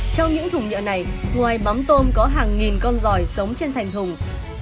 trong những thùng nhựa này ngoài mắm tôm có hàng nghìn con giòi sống trên thành thùng